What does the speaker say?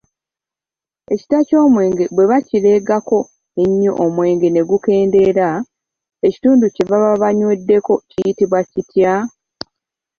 Ekita ky'omwenge bwe bakiregako ennyo omwenge ne gukendeera, ekituundu kye baba banyweddeko kiyitibwa kitya?